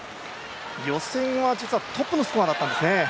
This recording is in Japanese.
予選は、実はトップのスコアだったんですね。